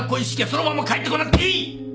そのまま帰ってこなくていい！